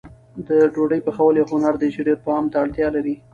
د ډوډۍ پخول یو هنر دی چې ډېر پام ته اړتیا لري.